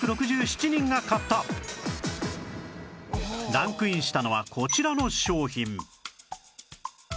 ランクインしたのはこちらの商品